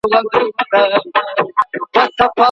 که ښاروالي د خوراکي توکو څارنه وکړي، نو خلګ زهرجن توکي نه خوري.